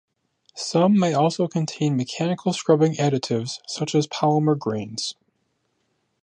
Some may also contain mechanical scrubbing additives, such as polymer grains.